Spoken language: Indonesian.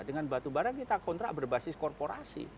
dengan batubara kita kontrak berbasis korporasi